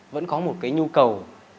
vẫn có một cái nhu cầu